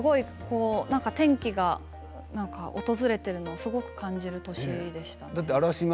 転機が訪れているのをすごく感じる年でしたね。